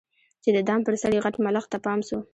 چي د دام پر سر یې غټ ملخ ته پام سو